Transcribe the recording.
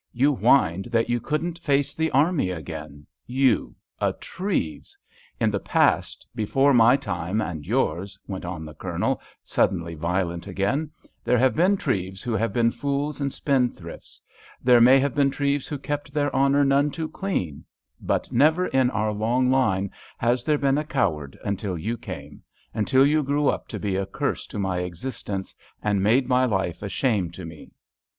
You whined that you couldn't face the army again—you, a Treves! In the past, before my time and yours," went on the Colonel, suddenly violent again, "there have been Treves who have been fools and spendthrifts; there may have been Treves who kept their honour none too clean—but never in our long line has there been a coward until you came, until you grew up to be a curse to my existence, and made my life a shame to me!"